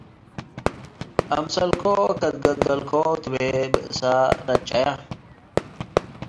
“አምሰልኮ ከትገደልኮ” ትቤ ብእሰ ነጨየ።